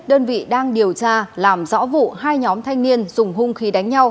đơn vị đang điều tra làm rõ vụ hai nhóm thanh niên dùng hung khí đánh nhau